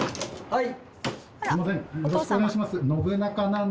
はい。